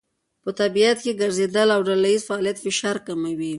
په طبیعت کې ګرځېدل او ډلهییز فعالیت فشار کموي.